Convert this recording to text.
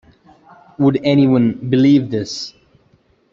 Would any one believe this?